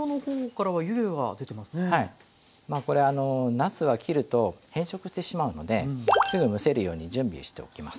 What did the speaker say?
なすは切ると変色してしまうのですぐ蒸せるように準備をしておきます。